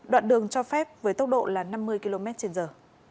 đoạn đường cho phép với tốc độ là năm mươi km trên giờ